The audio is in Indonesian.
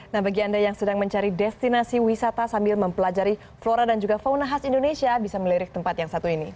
nah bagi anda yang sedang mencari destinasi wisata sambil mempelajari flora dan juga fauna khas indonesia bisa melirik tempat yang satu ini